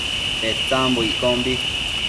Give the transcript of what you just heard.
Petsambo iccombi